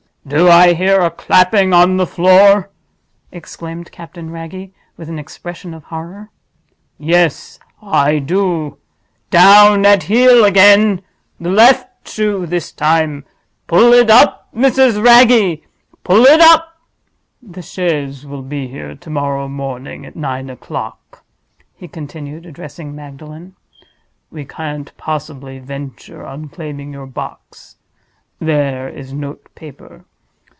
"Do I hear a clapping on the floor!" exclaimed Captain Wragge, with an expression of horror. "Yes; I do. Down at heel again! The left shoe this time. Pull it up, Mrs. Wragge! pull it up!—The chaise will be here to morrow morning at nine o'clock," he continued, addressing Magdalen. "We can't possibly venture on claiming your box. There is note paper.